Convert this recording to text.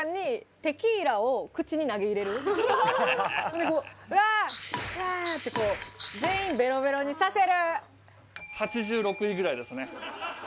でこう「わあ！」ってこう全員ベロベロにさせる。